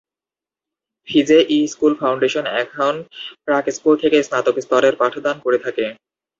ফিজে-ই school foundation এখন প্রাক school থেকে স্নাতক স্তরের পাঠদান করে থাকে।